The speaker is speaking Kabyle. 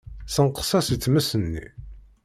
Ssenqes-as i tmes-nni.